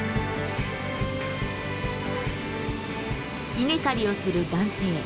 稲刈りをする男性。